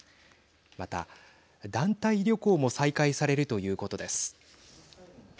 また、団体旅行も再開されるということです。